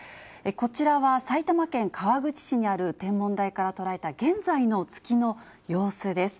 こちらは埼玉県川口市にある天文台から捉えた現在の月の様子です。